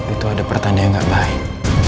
itu ada pertanda yang gak baik